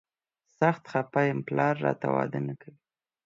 سخت خفه یم، پلار راته واده نه کوي.